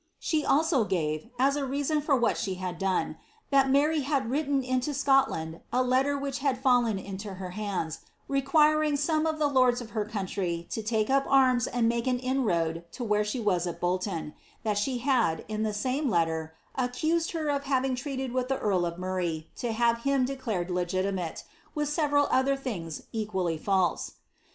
She also gave, as a reason for what done, that Mary had written into Scotland a letter which had to her iiands, requiring some of the lords of her country to take and make an inroad to where she was at Bolton — ^that she had, ime letter, accused her of having treated with the earl of Murray him declared legitimate, with several other things equally false.